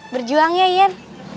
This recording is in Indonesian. berjuang ya ian